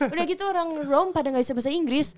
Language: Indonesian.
udah gitu orang rom pada gak bisa bahasa inggris